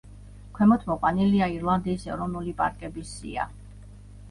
ქვემოთ მოყვანილია ირლანდიის ეროვნული პარკების სია.